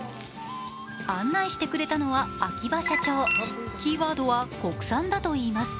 案内してくれたのは秋葉社長、キーワードは国産だといいます。